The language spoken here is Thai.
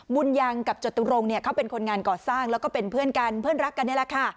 บุญยังกับจตุรงเนี่ยเขาเป็นคนงานก่อสร้างแล้วก็เป็นเพื่อนกันเพื่อนรักกันนี่แหละค่ะ